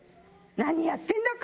「何やってんだか！？」